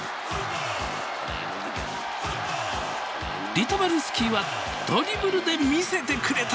リトバルスキーはドリブルで魅せてくれた。